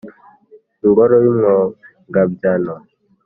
Ingoro y'Umwogabyano.